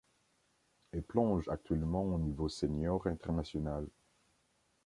Elle plonge actuellement au niveau senior international.